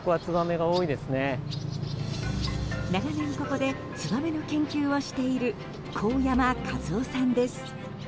長年ここでツバメの研究をしている神山和夫さんです。